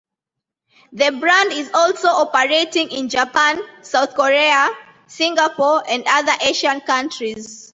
The brand is also operating in Japan, South Korea, Singapore and other Asian countries.